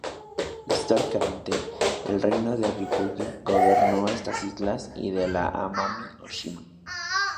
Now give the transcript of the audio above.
Históricamente, el reino de Ryūkyū gobernó estas islas y la de Amami Oshima.